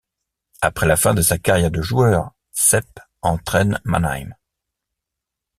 Après la fin de sa carrière de joueur, Sepp entraîne Mannheim.